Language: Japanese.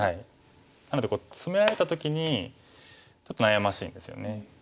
なのでツメられた時にちょっと悩ましいんですよね。